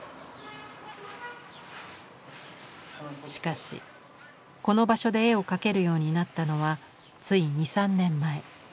しかしこの場所で絵を描けるようになったのはつい２３年前。